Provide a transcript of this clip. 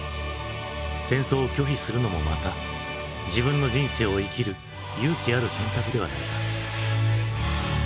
戦争を拒否するのもまた自分の人生を生きる勇気ある選択ではないか。